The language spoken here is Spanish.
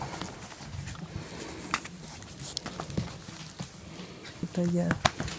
Se presentan tres niveles: básico, intermedio y detallado.